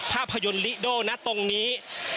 ภาพยนตร์ลิโดนะตรงนี้